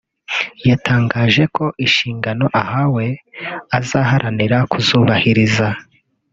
yatangaje ko inshingano ahawe azaharanira kuzubahiriza